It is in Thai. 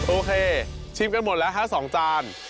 โอเคชิมกันหมดแล้วฮะ๒จาน